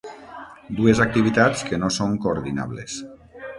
Dues activitats que no són coordinables.